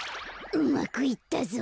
うまくいったぞ。